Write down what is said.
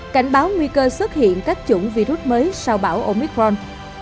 cảnh báo nguy cơ xuất hiện các chủng virus mới sau bão omicron